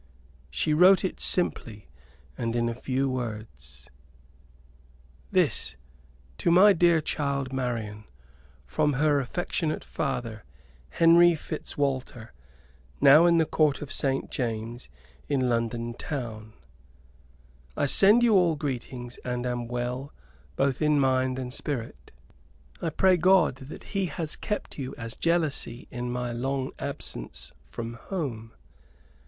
She wrote it simply and in few words: "This to my dear child Marian, from her affectionate father, Henry Fitzwalter, now in the Court of St. James, in London town. I send you all greetings, and am well both in mind and spirit. I pray God that He has kept you as jealously in my long absence from home.